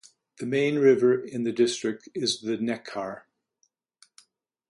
The main river in the district is the Neckar.